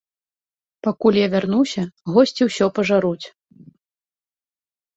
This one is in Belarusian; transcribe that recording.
Пакуль я вярнуся, госці ўсё пажаруць.